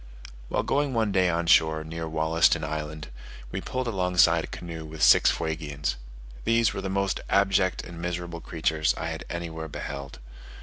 While going one day on shore near Wollaston Island, we pulled alongside a canoe with six Fuegians. These were the most abject and miserable creatures I anywhere beheld.